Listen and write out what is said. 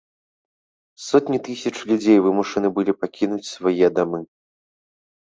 Сотні тысяч людзей вымушаны былі пакінуць свае дамы.